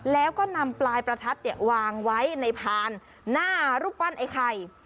แล้วก็นำปลายประทัดวางไว้ในพานหน้ารูปปั้นไอ้ไข่